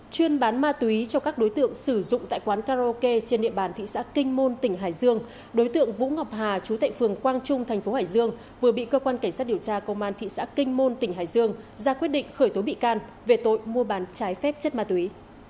chuyên bán ma túy cho các đối tượng sử dụng tại quán karaoke trên địa bàn thị xã kinh môn tỉnh hải dương đối tượng vũ ngọc hà chú tệ phường quang trung thành phố hải dương vừa bị cơ quan cảnh sát điều tra công an thị xã kinh môn tỉnh hải dương ra quyết định khởi tố bị can về tội mua bán trái phép chất ma túy